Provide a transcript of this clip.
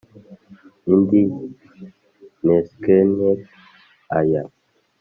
Indig nesnk aya